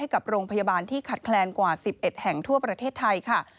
กับโรงพยาบาลที่ขัดแคลนกว่า๑๑แห่งทั่วประเทศไทยค่ะ